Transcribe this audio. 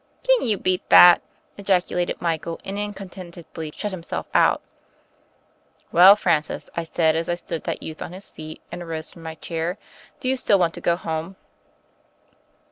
"Can you beat thatl" ejaculated Michael and incontinently shut himself out. "Well, Francis," I said as I stood that youth on his feet and arose from my chair, "do you still want to go home